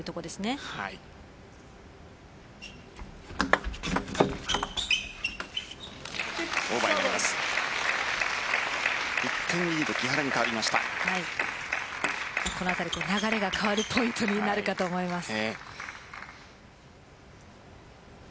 このあたり流れが変わるポイントになるかと思います。